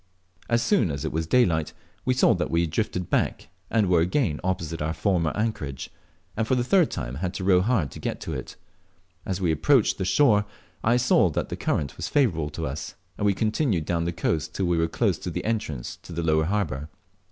As soon as it was daylight, we saw that we had drifted back, and were again opposite our former anchorage, and, for the third time, had to row hard to get to it. As we approached the shore, I saw that the current was favourable to us, and we continued down the coast till we were close to the entrance to the lower harbour.